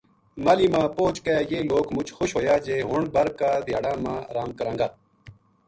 ماہلی ما پوہچ کے یہ لوک مُچ خوش ہویا جے ہن بر کا دھیاڑا ارام کراں گا